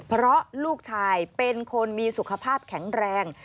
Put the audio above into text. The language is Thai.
เพราะลูกชายเป็นคนมีสุขภาพแข็งแรง